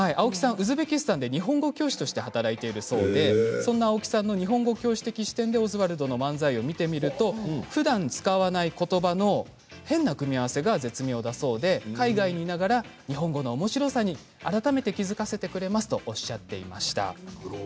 ウズベキスタンで日本語教師として働いているそうでそんな青木さんの日本語教師的視点でオズワルドの漫才を見てみるとふだん使わないことばなど変な組み合わせが絶妙だそうで海外にいながら日本語のおもしろさに改めて気付かせてくれますとおっしゃっていました。